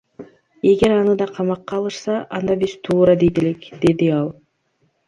Эгер аны да камакка алышса анда биз туура дейт элек, — деди ал.